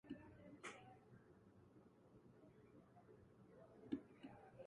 Tas nebiju es, un ja ne tu, tad kurš tad?